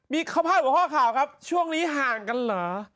มีข้าวพาดหัวข้อข่าวครับช่วงนี้ห่างกันเหรอ